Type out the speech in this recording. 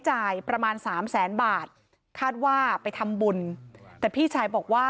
จ่ายประมาณสามแสนบาทคาดว่าไปทำบุญแต่พี่ชายบอกว่า